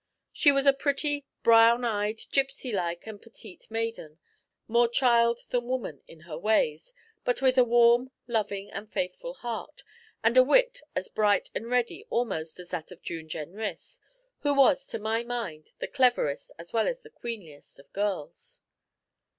She was a pretty, brown eyed, gipsy like, and petite maiden, more child than woman in her ways, but with a warm, loving, and faithful heart, and a wit as bright and ready almost as that of June Jenrys, who was, to my mind, the cleverest as well as the queenliest of girls.